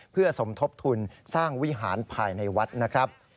เพื่อสมทบทุนสร้างวิหารภายในวัดนะครับ